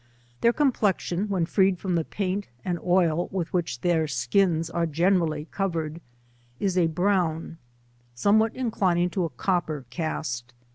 Their complexion, when freed from the paint and oil with which their skins are generally co vered, is a bi'own, somewhat inclining to a copper cast.